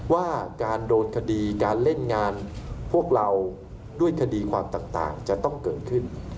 ว่าการโดนคดีการเล่นงานพวกเราด้วยคดีความต่างจะต้องเกิดขึ้น